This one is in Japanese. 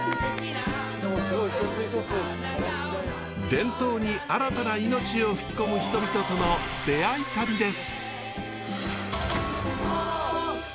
伝統に新たないのちを吹き込む人々との出会い旅です。